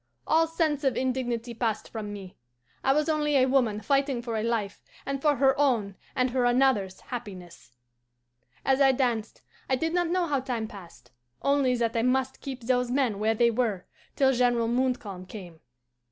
All sense of indignity passed from me. I was only a woman fighting for a life and for her own and her another's happiness. "As I danced I did not know how time passed only that I must keep those men where they were till General Montcalm came.